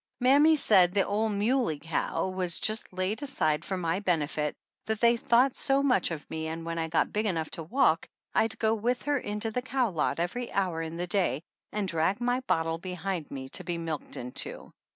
Mammy said the old muley cow was just laid aside for my benefit, they thought so much of me, and when I got big enough to walk I'd go with her into the cow lot every hour in the day and drag my bottle behind me to be milked into.